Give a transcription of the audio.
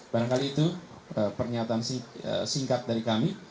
barangkali itu pernyataan singkat dari kami